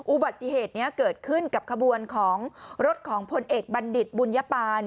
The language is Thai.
อุบัติเหตุนี้เกิดขึ้นกับขบวนของรถของพลเอกบัณฑิตบุญญปาน